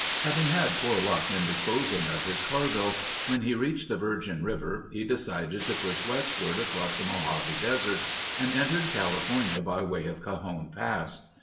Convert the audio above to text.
Having had poor luck in disposing of his cargo, when he reached the Virgin River he decided to push westward across the Mojave Desert and entered California by way of Cajon Pass.